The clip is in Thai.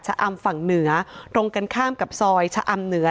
ฉอมฝั่งเหนือโรงกับซอยชออมเหนือ